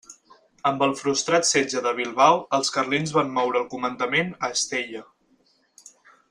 Amb el frustrat Setge de Bilbao els carlins van moure el comandament a Estella.